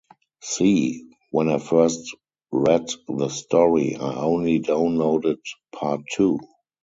See, when I first read the story, I only downloaded part two.